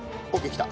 きた！